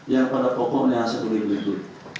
yang pada pokoknya seperti itu